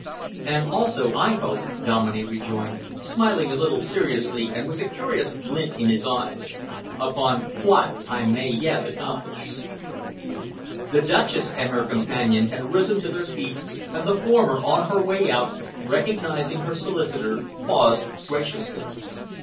"And also, I hope," Dominey rejoined, smiling a little seriously and with a curious glint in his eyes, "upon what I may yet accomplish." The Duchess and her companion had risen to their feet, and the former, on her way out, recognising her solicitor, paused graciously.